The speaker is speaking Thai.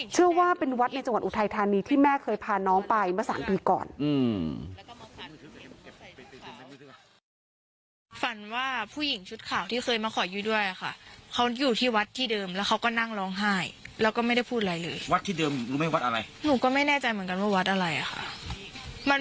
เชื่อว่าเป็นวัดในจังหวัดอุทัยธานีที่แม่เคยพาน้องไปเมื่อ๓ปีก่อน